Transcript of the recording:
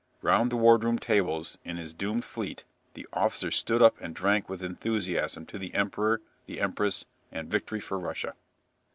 Round the wardroom tables in his doomed fleet the officers stood up and drank with enthusiasm to the Emperor, the Empress, and "victory for Russia!"